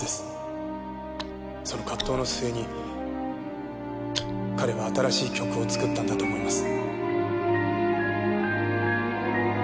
その葛藤の末に彼は新しい曲を作ったんだと思います。